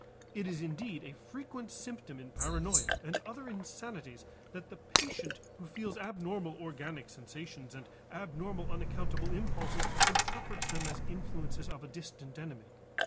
It is indeed a frequent symptom in paranoia and other insanities that the patient who feels abnormal organic sensations and abnormal unaccountable impulses interprets them as influences of a distant enemy.